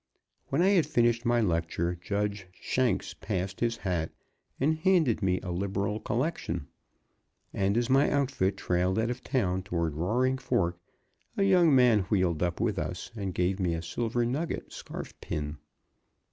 When I had finished my lecture, Judge S passed his hat and handed me a liberal collection. And as my outfit trailed out of town toward Roaring Fork, a young man wheeled up with us and gave me a silver nugget scarf pin.